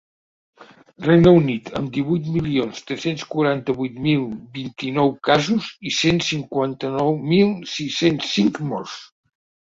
Regne Unit, amb divuit milions tres-cents quaranta-vuit mil vint-i-nou casos i cent cinquanta-nou mil sis-cents cinc morts.